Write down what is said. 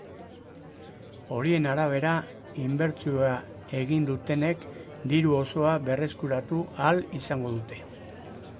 Horien arabera, inbertsioa egin dutenek diru osoa berreskuratu ahal izango dute.